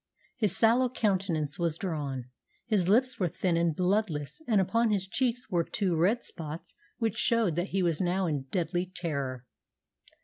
His sallow countenance was drawn, his lips were thin and bloodless, and upon his cheeks were two red spots which showed that he was now in a deadly terror.